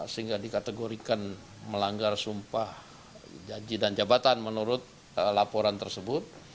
sehingga dikategorikan melanggar sumpah janji dan jabatan menurut laporan tersebut